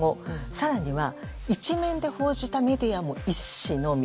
更には、１面で報じたメディアも１紙のみ。